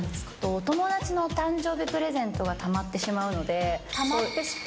お友達の誕生日プレゼントがたまってしまう？